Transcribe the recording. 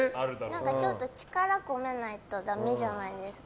ちょっと力込めないとだめじゃないですか。